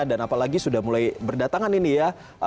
dan apalagi sudah mulai berdatangan ini ya